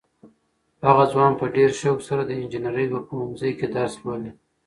هغه ځوان په ډېر شوق سره د انجنیرۍ په پوهنځي کې درس لولي.